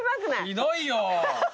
ひどいよ。